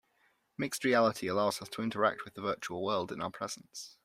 Mixed reality allows us to interact with the virtual world in our presence.